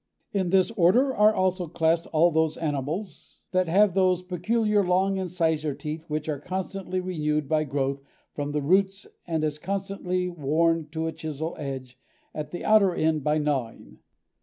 In this order are classed all those animals that have those peculiar long incisor teeth which are constantly renewed by growth from the roots and as constantly worn to a chisel edge, at the outer end, by gnawing.